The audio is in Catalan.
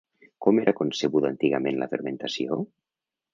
Com era concebuda antigament la fermentació?